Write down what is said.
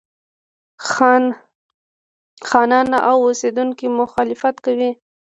خانان او اوسېدونکي مخالفت کوي.